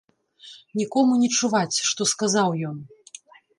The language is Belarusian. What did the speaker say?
Нікому не чуваць, што сказаў ён.